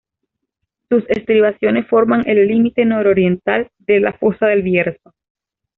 Sus estribaciones forman el límite nororiental de la fosa del Bierzo.